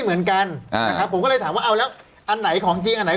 เหมือนกันอ่านะครับผมก็เลยถามว่าเอาแล้วอันไหนของจริงอันไหน